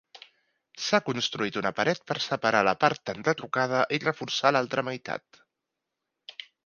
S'ha construït una paret per separar la part enderrocada i reforçar l'altra meitat.